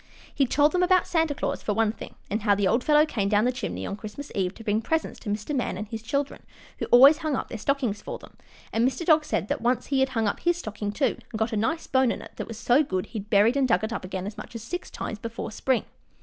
] He told them about Santa Claus, for one thing, and how the old fellow came down the chimney on Christmas Eve to bring presents to Mr. Man and his children, who always hung up their stockings for them, and Mr. Dog said that once he had hung up his stocking, too, and got a nice bone in it, that was so good he had buried and dug it up again as much as six times before spring.